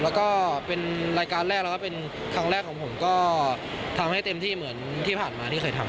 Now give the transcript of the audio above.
แล้วก็เป็นรายการแรกแล้วก็เป็นครั้งแรกของผมก็ทำให้เต็มที่เหมือนที่ผ่านมาที่เคยทำ